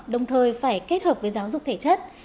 đồng thời phải kết hợp với giáo dục thể chất